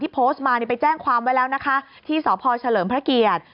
โพสต์มาไปแจ้งความไว้แล้วนะคะที่สพเฉลิมพระเกียรติ